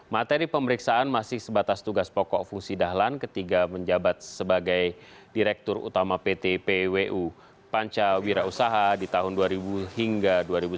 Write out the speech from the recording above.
materi pemeriksaan masih sebatas tugas pokok fungsi dahlan ketika menjabat sebagai direktur utama pt pwu pancawira usaha di tahun dua ribu hingga dua ribu sembilan belas